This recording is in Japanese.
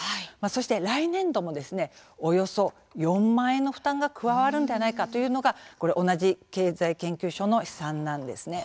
そして、来年度もおよそ４万円の負担が加わるんではないかというのが同じ経済研究所の試算なんですね。